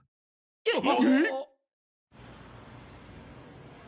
えっ！？